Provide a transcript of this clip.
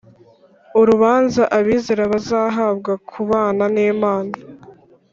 Urubanza abizera bazahabwa kubana n Imana